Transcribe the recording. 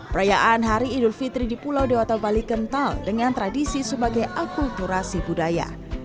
perayaan hari idul fitri di pulau dewata bali kental dengan tradisi sebagai akulturasi budaya